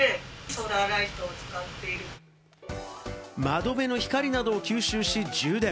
窓辺の光などを吸収し充電。